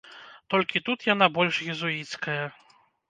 Толькі тут яна больш езуіцкая.